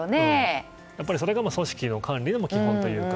それが組織の管理の基本というか。